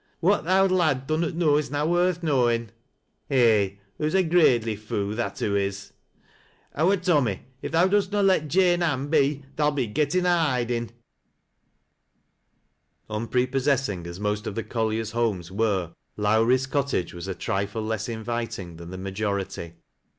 What th' owd lad dunnot know is na worth kuowin'. Eh ! hoo's a graidely foo', that hoo is. Oui Tommy, if tha dost na let Jane Ann be, tha'lt be gettin' a hidin'." Unprepossessing as most of the colliers' homes were Li; wrie's cottage was a trifle less inviting than the majoi ity.